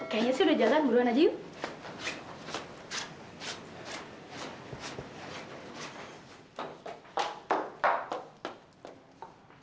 kayaknya sudah jalan buruan aja yuk